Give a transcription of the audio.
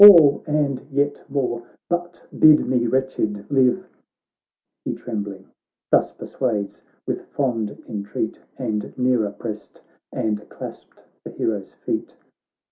All, and yet more, but bid me, wretched, live I ' He trembling, thus persuades with fond entreat And nearer pressed, and clasped the hero's feet.